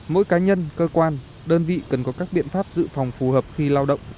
mỗi cá nhân cơ quan đơn vị cần có các biện pháp dự phòng phù hợp khi lao động